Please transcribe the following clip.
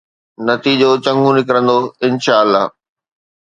نتيجو چڱو نڪرندو، انشاءَ الله.